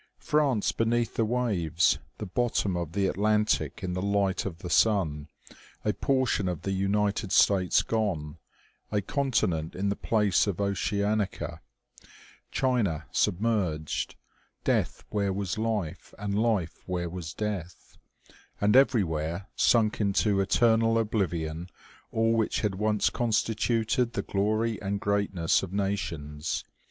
France beneath the waves, the bottom of the At lantic in the light of the sun, a portion of the United States gone, a continent in the place of Oceanica, China 2l6 OMEGA. submerged ; death where was life, and life where was death ; and everywhere sunk into eternal oblivion all which had once constituted the glory and greatness of nations.